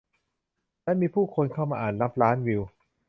และมีผู้คนเข้ามาอ่านนับล้านวิว